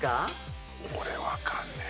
俺わかんねえわ。